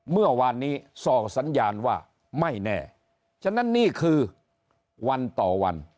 เมื่อวานนี้ส่งสัญญาณว่าไม่แน่ฉะนั้นนี่คือวันต่อวัน